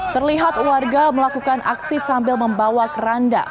terlihat warga melakukan aksi sambil membawa keranda